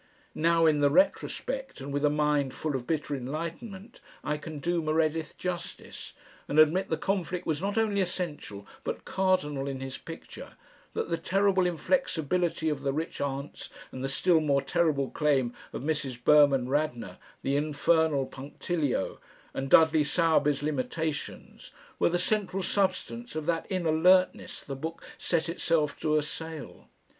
Now in the retrospect and with a mind full of bitter enlightenment, I can do Meredith justice, and admit the conflict was not only essential but cardinal in his picture, that the terrible inflexibility of the rich aunts and the still more terrible claim of Mrs. Burman Radnor, the "infernal punctilio," and Dudley Sowerby's limitations, were the central substance of that inalertness the book set itself to assail.